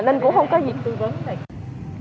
nên cũng không có gì tư vấn